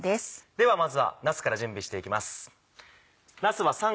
ではまずはなすから準備していきます。